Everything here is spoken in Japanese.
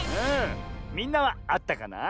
みんなはあったかな？